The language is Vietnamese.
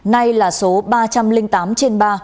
nay là số ba trăm linh tám trên ba